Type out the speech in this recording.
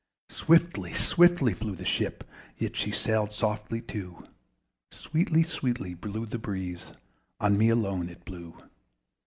Swiftly, swiftly flew the ship, Yet she sailed softly too: Sweetly, sweetly blew the breeze On me alone it blew.